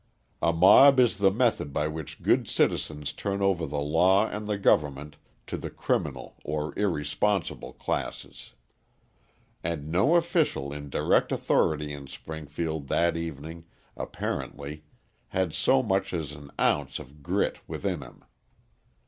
A mob is the method by which good citizens turn over the law and the government to the criminal or irresponsible classes. And no official in direct authority in Springfield that evening, apparently, had so much as an ounce of grit within him.